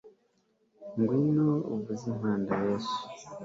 ngwino uvuza impanda, yesu